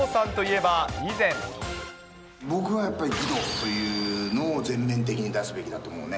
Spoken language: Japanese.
僕はやっぱり、義堂というのを全面的に出すべきだと思うね。